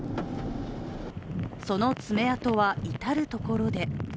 その爪痕は至る所で。